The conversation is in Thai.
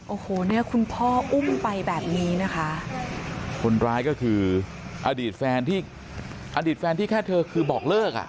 โอ้โหเนี่ยคุณพ่ออุ้มไปแบบนี้นะคะคนร้ายก็คืออดีตแฟนที่อดีตแฟนที่แค่เธอคือบอกเลิกอ่ะ